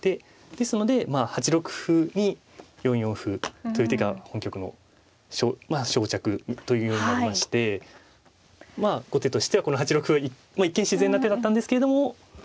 ですので８六歩に４四歩という手が本局のまあ勝着というようになりましてまあ後手としてはこの８六歩は一見自然な手だったんですけども。